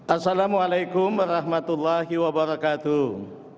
assalamu'alaikum warahmatullahi wabarakatuh